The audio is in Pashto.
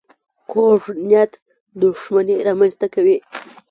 کوږ نیت دښمني رامنځته کوي